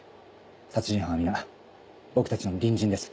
殺人犯は皆僕たちの隣人です